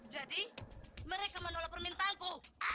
jadi mereka menolong permintaanku